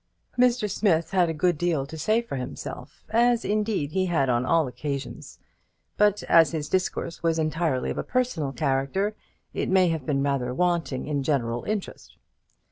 Mr. Smith had a good deal to say for himself, as indeed he had on all occasions; but as his discourse was entirely of a personal character, it may have been rather wanting in general interest.